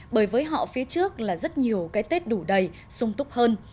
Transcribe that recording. bởi với họ phía trước là rất nhiều cái tết đủ đầy sung túc hơn